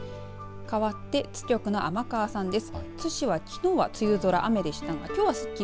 かわって津局の天川さんです。